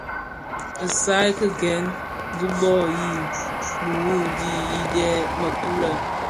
Kisai ki gen dhi bhoo yi biwumi yidèň mëkuu lè.